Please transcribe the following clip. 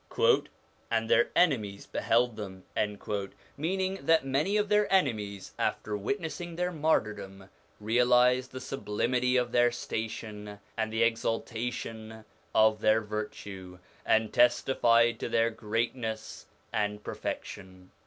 'And their enemies beheld them' meaning that many of their enemies after witnessing their martyr dom, realised the sublimity of their station and the exaltation of their virtue, and testified to their great ness and perfection.